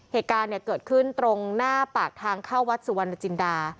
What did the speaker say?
เหตุการณ์เกิดขึ้นตรงหน้าปากทางเข้าวัดสุวรรณจินดา